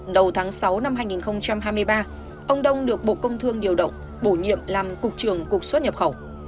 đầu tháng sáu năm hai nghìn hai mươi ba ông đông được bộ công thương điều động bổ nhiệm làm cục trưởng cục xuất nhập khẩu